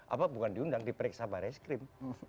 apa bukan diundang diperiksa baret skrim